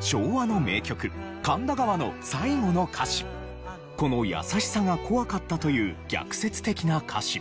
昭和の名曲『神田川』の最後の歌詞この「やさしさが怖かった」という逆説的な歌詞。